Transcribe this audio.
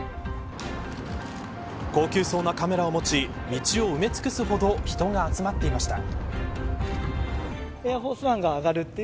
高級そうなカメラを持ち道を埋め尽くすほど人が集まっていました。